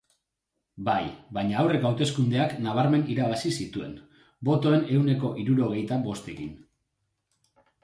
Bai, baina aurreko hauteskundeak nabarmen irabazi zituen, botoen ehuneko hirurogeita bostekin.